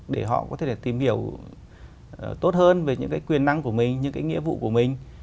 để họ có thể tìm hiểu tốt hơn về những cái quyền năng của mình những cái nghĩa vụ của mình